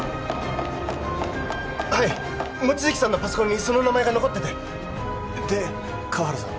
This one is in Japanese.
はい望月さんのパソコンにその名前が残っててで河原さん